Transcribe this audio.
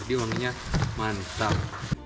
jadi wanginya mantap